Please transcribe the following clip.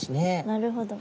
なるほど。